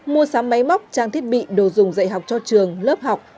mua sắm máy móc trang thiết bị đồ dùng dạy học cho trường lớp học